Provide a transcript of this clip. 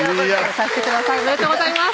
おめでとうございます。